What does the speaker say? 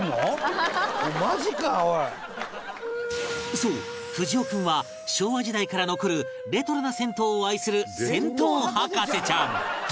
そうふじお君は昭和時代から残るレトロな銭湯を愛する銭湯博士ちゃん